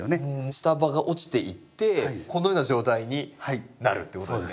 下葉が落ちていってこのような状態になるってことですね。